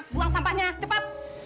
buang sampahnya cepat